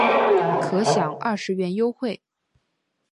可享二十元优惠